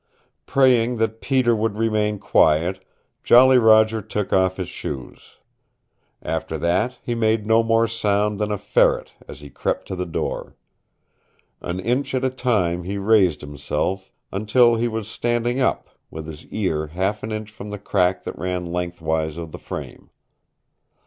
Praying that Peter would remain quiet, Jolly Roger took off his shoes. After that he made no more sound than a ferret as he crept to the door. An inch at a time he raised himself, until he was standing up, with his ear half an inch from the crack that ran lengthwise of the frame.